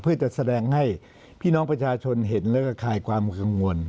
เพื่อจะแสดงให้พี่น้องประชาชนเห็นแล้วก็คลายความกังวล